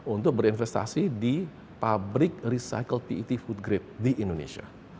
untuk berinvestasi di pabrik recycle pet food grade di indonesia